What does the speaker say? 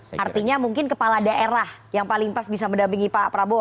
artinya mungkin kepala daerah yang paling pas bisa mendampingi pak prabowo